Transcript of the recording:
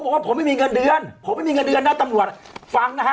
บอกว่าผมไม่มีเงินเดือนผมไม่มีเงินเดือนนะตำรวจฟังนะฮะ